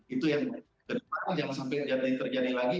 itu yang ke depan yang sampai terjadi lagi